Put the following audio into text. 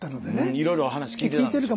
いろいろお話聞いてたんでしょうね。